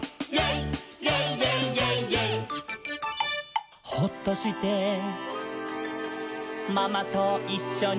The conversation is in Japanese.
イェイイェイイェイイェイ」「ほっとして」「ほっとして」「ママといっしょに」